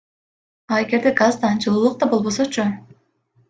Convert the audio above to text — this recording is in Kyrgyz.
А эгерде газ да, жылуулук да болбосочу?